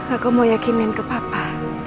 aku mau yakinin ke papa